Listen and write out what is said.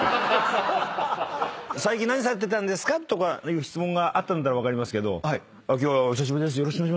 最近何されてたんですか？とかいう質問があったんなら分かりますけど。